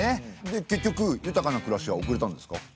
で結局豊かな暮らしは送れたんですか？